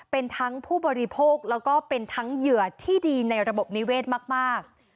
เป็นทั้งผู้บริโภคแล้วก็เป็นทั้งเหยื่อที่ดีในระบบนิเวศมาก